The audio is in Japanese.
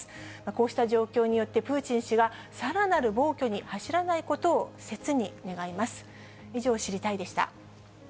こうした状況によって、プーチン氏はさらなる暴挙に走らないことを切に願います。